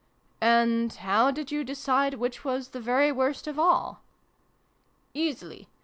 "And how did you decide which was the very worst of all ?"" Easily.